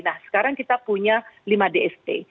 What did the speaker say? nah sekarang kita punya lima dst